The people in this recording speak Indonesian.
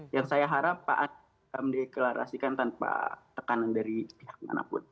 yang saya harap pak anies akan mendeklarasikan tanpa tekanan dari pihak manapun